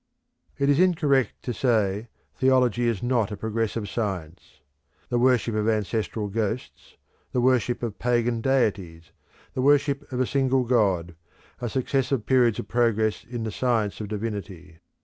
It is incorrect to say "theology is not a progressive science." The worship of ancestral ghosts, the worship of pagan deities, the worship of a single god, are successive periods of progress in the science of Divinity.